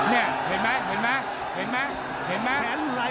เนี่ยเห็นมั้ย